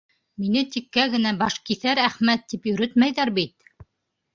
Мине тиккә генә Башкиҫәр Әхмәт тип йөрөтмәйҙәр бит.